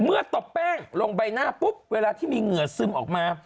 ตบแป้งลงใบหน้าปุ๊บเวลาที่มีเหงื่อซึมออกมา